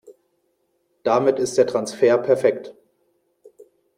Damit ist der Transfer perfekt.